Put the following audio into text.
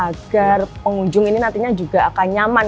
agar pengunjung ini nantinya juga akan nyaman